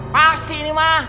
pasti ini mah